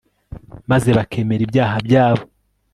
maze bakemera ibyaha byabo